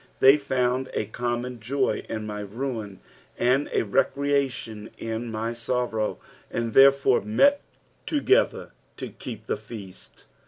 They found a common joy in my ruin, and a recreation in my sorrow, and therefore met together to keep the feast.